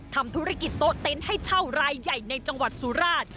ทำธุรกิจโต๊ะเต็นต์ให้เช่ารายใหญ่ในจังหวัดสุราช